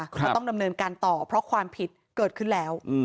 เขาต้องดำเนินการต่อเพราะความผิดเกิดขึ้นแล้ว